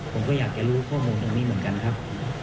ผมก็อยากจะรู้ข้อมูลตรงนี้เหมือนกันครับ